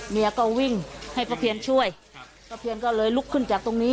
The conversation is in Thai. เมียก็วิ่งให้ป้าเพียนช่วยครับป้าเพียนก็เลยลุกขึ้นจากตรงนี้